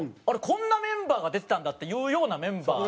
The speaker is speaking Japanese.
こんなメンバーが出てたんだっていうようなメンバー。